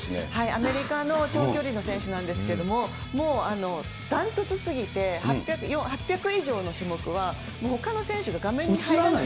アメリカの長距離の選手なんですけれども、もう断トツすぎて、８００以上の種目は、もうほかの選手が画面に入らない。